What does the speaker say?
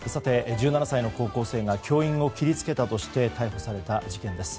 １７歳の高校生が教員を切りつけたとして逮捕された事件です。